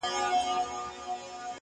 ماته خو اوس هم گران دى اوس يې هم يادوم’